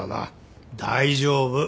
大丈夫。